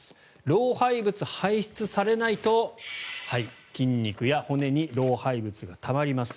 老廃物、排出されないと筋肉や骨に老廃物がたまります。